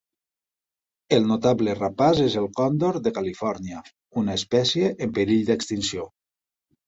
El notable rapaç és el còndor de Califòrnia, una espècie en perill d'extinció.